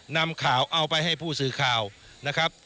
นำข่าวเอาไปให้ผู้สื่อข่าวนะครับ